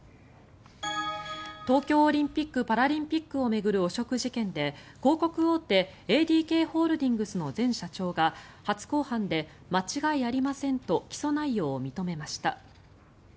東京オリンピック・パラリンピックを巡る汚職事件で広告大手ＡＤＫホールディングスの前社長が初公判で間違いありませんと起訴内容を認めました。